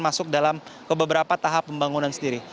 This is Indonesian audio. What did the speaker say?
masuk dalam beberapa tahap pembangunan sendiri